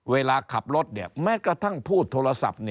เวลาขับรถแม้กระทั่งพูดโทรศัพท์